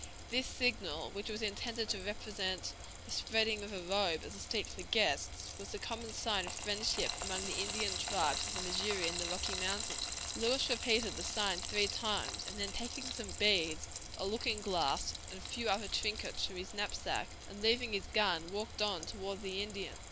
This signal, which was intended to represent the spreading of a robe as a seat for guests, was the common sign of friendship among the Indian tribes of the Missouri and the Rocky Mountains. Lewis repeated the sign three times, and then taking some beads, a looking glass, and a few other trinkets from his knapsack, and leaving his gun, walked on toward the Indian.